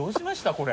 これ。